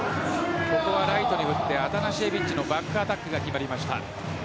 ここはライトに振ってアタナシエビッチのバックアタックが決まりました。